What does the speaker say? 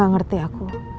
gak ngerti aku